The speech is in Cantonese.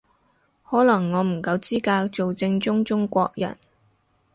可能我唔夠資格做正宗中國人